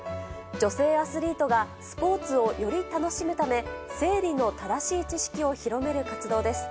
女性アスリートが、スポーツをより楽しむため、生理の正しい知識を広める活動です。